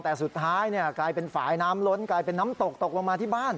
แต่สุดท้ายกลายเป็นฝ่ายน้ำล้นกลายเป็นน้ำตกตกลงมาที่บ้าน